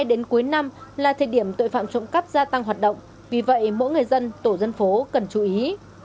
đến cuối năm là thời điểm tội phạm trộm cắp gia tăng hoạt động vì vậy mỗi người dân tổ dân phố cần chú ý